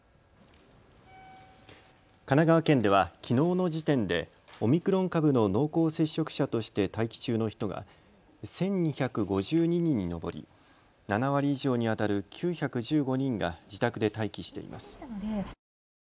神奈川県では、きのうの時点でオミクロン株の濃厚接触者として待機中の人が１２５２人に上り、７割以上にあたる９１５人が自宅で待機しています。